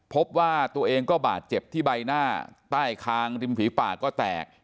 พบว่าตัวเองก็บาดเจ็บที่ใบหน้าใต้คางริมผีป่าก็แตก